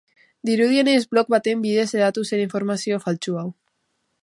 Dirudienez, blog baten bidez hedatu zen informazio faltsu hau.